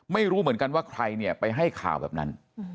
ไม่รู้เหมือนกันว่าใครเนี่ยไปให้ข่าวแบบนั้น